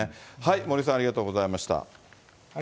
森さん、ありがとうございました。